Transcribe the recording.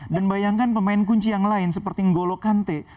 dan bayangkan pemain kunci yang lain seperti n'golo kante